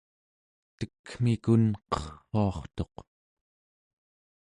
tekmikun qerruartuq